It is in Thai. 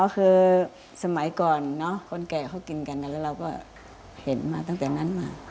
คือสมัยก่อนคนแก่เขากินกันแล้วเราก็เห็นมาตั้งแต่นั้นมา